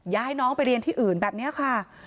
ย้ายน้องไปเรียนที่อื่นแบบนี้ค่ะ